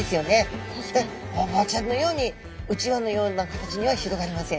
ホウボウちゃんのようにうちわのような形には広がりません。